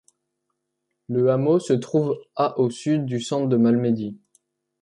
Le hameau se trouve à au sud du centre de Malmedy.